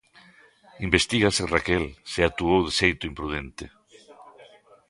Investígase, Raquel, se actuou de xeito imprudente.